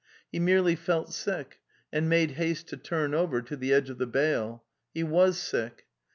He merely felt sick, and made haste to turn over to the edge of the bale. He was sick.